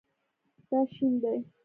دا شین دی